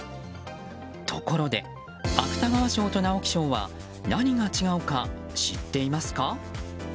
ところで、芥川賞と直木賞は何が違うか知っていますか？